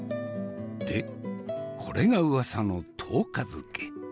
でこれがうわさの１０日漬け。